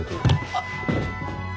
あっ。